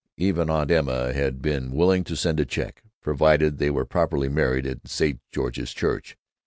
Even Aunt Emma had been willing to send a check, provided they were properly married in St. George's Church.